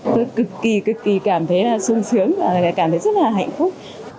tôi cực kỳ cực kỳ cảm thấy sung sướng và cảm thấy rất là hạnh phúc